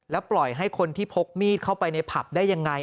ปล่อยให้คนที่พกมีดเข้าไปในผับได้ยังไง